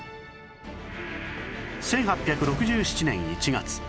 １８６７年１月